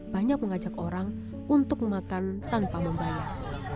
banyak mengajak orang untuk memakan tanpa membayar